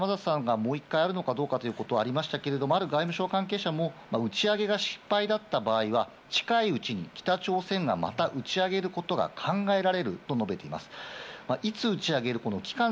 先ほどもう１回あるのかとおっしゃいましたが、ある外務省関係者は打ち上げが失敗だった場合は近いうちに北朝鮮がまた打ち上げることが考えられると述べています。